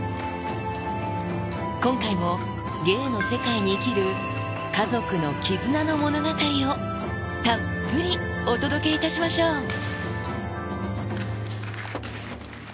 今回も芸の世界に生きる家族の絆の物語を、たっぷりお届けいたしましょう。